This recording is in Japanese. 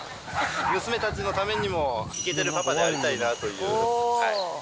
娘たちのためにもいけてるパパでありたいなという。